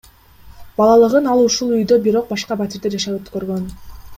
Балалыгын ал ушул үйдө, бирок башка батирде жашап өткөргөн.